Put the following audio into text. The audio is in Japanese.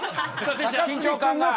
緊張感が。